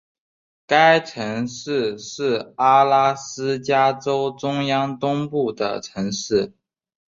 该城市是阿拉斯加州中央东部的城市。